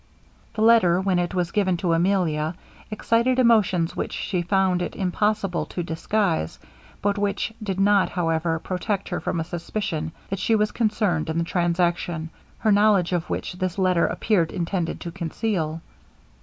The letter, when it was given to Emilia, excited emotions which she found it impossible to disguise, but which did not, however, protect her from a suspicion that she was concerned in the transaction, her knowledge of which this letter appeared intended to conceal.